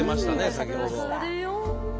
先ほど。